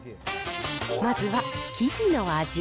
まずは生地の味。